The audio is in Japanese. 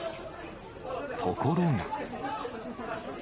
ところが。